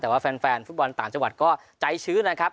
แต่ว่าแฟนฟุตบอลต่างจังหวัดก็ใจชื้นนะครับ